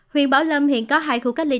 huyện bảo lâm hiện có hai khu cách ly